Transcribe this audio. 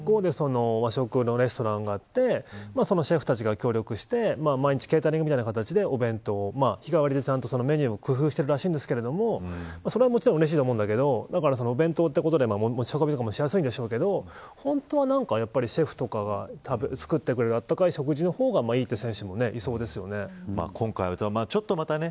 向こうで和食のレストランがあってシェフたちが協力して毎日ケータリングみたいな形でお弁当を日替わりでメニューを工夫してるらしいんですがそれをもちろんうれしいと思うんだけどお弁当ということでも持ち運びもしやすいんでしょうけど本当はシェフとかが作ってくれるあったかい食事の方がいいという選手もいそうですよね。